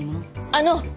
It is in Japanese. あの！